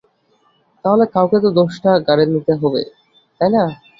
তাহলে কাউকে তো দোষটা ঘাড়ে নিতে হবে, তাই না?